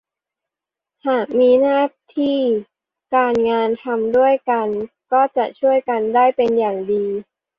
หากมีหน้าที่การงานทำด้วยกันก็จะช่วยกันได้เป็นอย่างดี